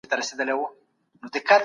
غړي په مجلس کي د خپلو سيمو ستونزي يادوي.